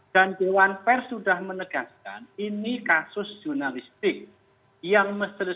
dan dewan pers sudah menegaskan ini kasus jurnalistik yang mestinya